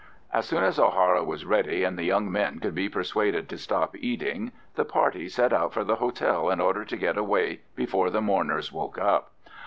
As soon as O'Hara was ready, and the young men could be persuaded to stop eating, the party set out for the hotel in order to get away before the mourners woke up.